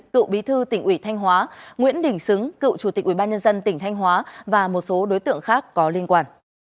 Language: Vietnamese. cựu bí thư tỉnh ủy thanh hóa nguyễn đình xứng cựu chủ tịch ủy ban nhân dân tỉnh thanh hóa và một số đối tượng khác có liên quan